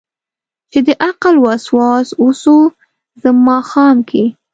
چې دعقل وسواس وسو ځم ماښام کې